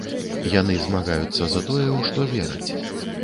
Яны змагаюцца за тое, у што вераць.